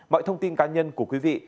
mọi thông tin cá nhân của quý vị